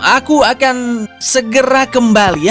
aku akan segera kembali ya